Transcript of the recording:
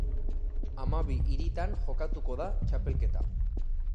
Hamabi hiritan jokatuko da txapelketa.